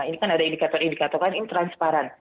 ini kan ada indikator indikator kan ini transparan